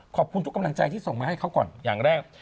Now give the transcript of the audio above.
ขอบคุณทุกกำลังใจที่ส่งมาให้เขาก่อนอย่างแรก